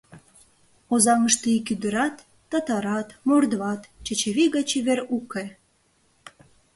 Озаҥыште ик ӱдырат — татарат, мордват — Чачавий гай чевер уке.